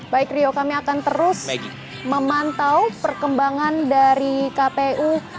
baik rio kami akan terus memantau perkembangan dari kpu